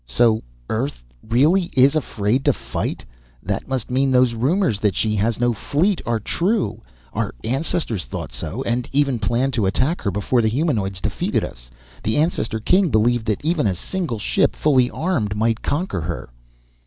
"So Earth really is afraid to fight? That must mean those rumors that she has no fleet are true. Our ancestors thought so, and even planned to attack her, before the humanoids defeated us. The ancestor king believed that even a single ship fully armed might conquer her."